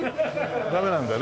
ダメなんだね。